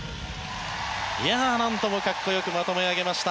なんともかっこよくまとめ上げました。